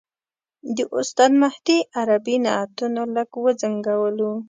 د استاد مهدي عربي نعتونو لږ وځنګولو.